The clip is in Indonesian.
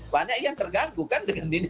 banyak yang terganggu kan